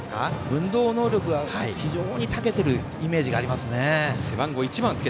運動能力が非常にたけているイメージがありますね。